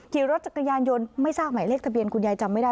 ขี่รถจักรยานยนต์ไม่ทราบหมายเลขทะเบียนคุณยายจำไม่ได้